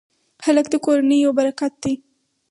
هلک د کورنۍ یو برکت دی.